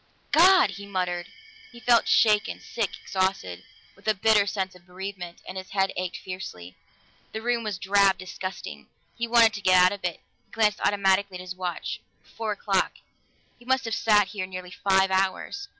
"God!" he muttered. He felt shaken, sick, exhausted, with a bitter sense of bereavement, and his head ached fiercely. The room was drab, disgusting; he wanted to get out of it. He glanced automatically at his watch: four o'clock he must have sat here nearly five hours.